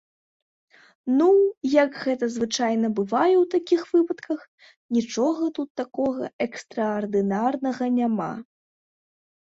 Ну, як гэта звычайна бывае ў такіх выпадках, нічога тут такога экстраардынарнага няма.